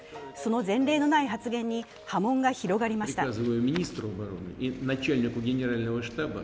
その前例のない発言に波紋が広がりました。